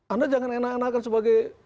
anda jangan enak enakan sebagai